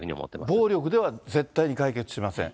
暴力では絶対に解決しません。